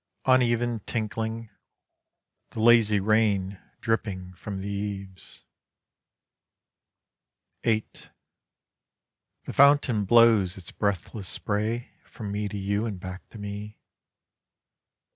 Uneven tinkling, the lazy rain Dripping from the eaves. VIII The fountain blows its breathless spray From me to you and back to me.